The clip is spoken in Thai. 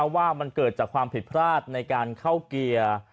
ว่ามันเกิดจากความผิดพลาดในการเข้าเกียร์